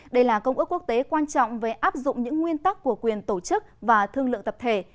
đây là công ước quốc tế quan trọng về áp dụng những nguyên tắc của quyền tổ chức và thương lượng tập thể